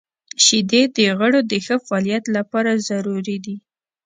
• شیدې د غړو د ښه فعالیت لپاره ضروري دي.